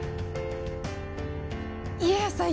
家康さん